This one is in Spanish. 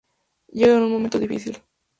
Llega en un momento difícil.